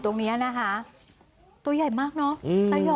กลับด้านหลักหลักหลัก